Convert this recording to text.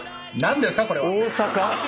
大阪？